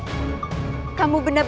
kamu benar benar perlu mencari kian santan